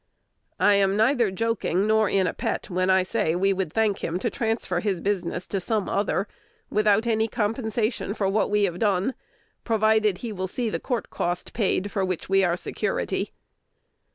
I am neither joking nor in a pet when I say we would thank him to transfer his business to some other, without any compensation for what we have done, provided he will see the court cost paid, for which we are security.